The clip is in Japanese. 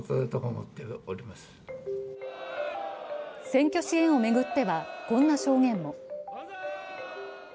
選挙支援を巡ってはこんな証言も。